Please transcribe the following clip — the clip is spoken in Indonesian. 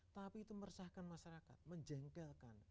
tapi itu meresahkan masyarakat menjengkelkan